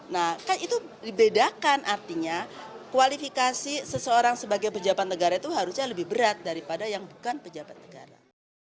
nah kan itu dibedakan artinya kualifikasi seseorang sebagai pejabat negara itu harusnya lebih berat daripada yang bukan pejabat negara